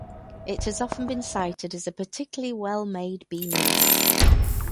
It has often been cited as a particularly well-made B-movie.